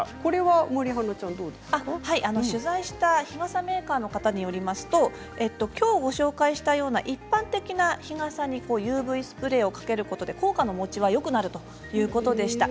取材した日傘メーカーの方によりますときょう、ご紹介したような一般的な日傘にＵＶスプレーをかけることで効果のもちはよくなるということでした。